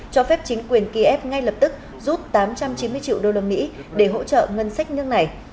cho phép chính quyền kiev ngay lập tức rút tám trăm chín mươi triệu usd để hỗ trợ ngân sách như này